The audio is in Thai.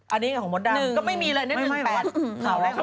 อันนี้แค่ของมดดัง๑ก็ไม่มีเลยนี่๑แป๊บ